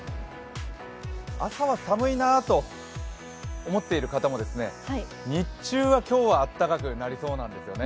朝は寒いなと思っている方も日中は今日は暖かくなりそうなんですよね。